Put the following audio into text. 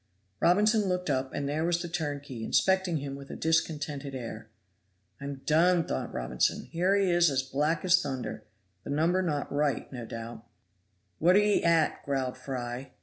Robinson looked up, and there was the turnkey inspecting him with a discontented air. "I'm done," thought Robinson, "here he is as black as thunder the number not right, no doubt." "What are ye at," growled Fry.